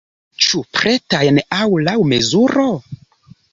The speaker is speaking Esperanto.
Ĉu pretajn aŭ laŭ mezuro?